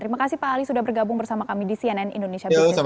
terima kasih pak ali sudah bergabung bersama kami di cnn indonesia business